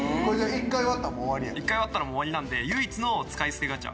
１回割ったら終わりなんで唯一の使い捨てガチャ。